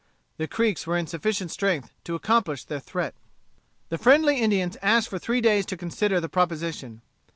The Creeks were in sufficient strength to accomplish their threat. The friendly Indians asked for three days to consider the proposition.